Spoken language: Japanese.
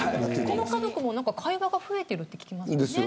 この家族も会話が増えてるって聞きますもんね。